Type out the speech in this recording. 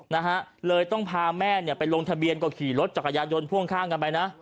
นะฮะเลยต้องพาแม่เนี่ยไปลงทะเบียนก็ขี่รถจักรยานยนต์พ่วงข้างกันไปนะ